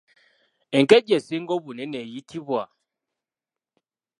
Enkejje esinga obunene eyitibwa?